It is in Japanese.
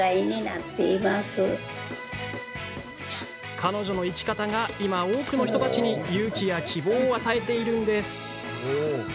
彼女の生き方が今、多くの人たちに勇気や希望を与えているんです。